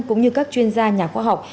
cũng như các chuyên gia nhà khoa học